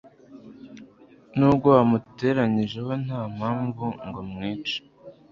n'ubwo wamunteranyijeho nta mpamvu ngo mwice